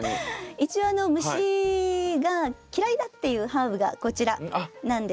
一応虫が嫌いだっていうハーブがこちらなんですね。